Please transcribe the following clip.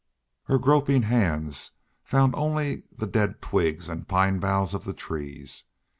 Her groping hands found only the dead twigs and the pine boughs of the trees.